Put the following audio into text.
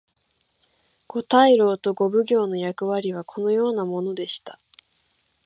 五大老と五奉行の役割はこのようなものでした。